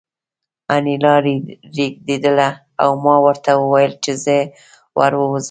انیلا رېږېدله او ما ورته وویل چې زه ور ووځم